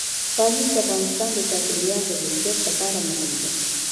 پامیر د افغانستان د چاپیریال د مدیریت لپاره مهم دی.